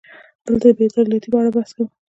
دلته د بې عدالتۍ په اړه بحث کوو.